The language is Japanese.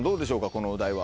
このお題は。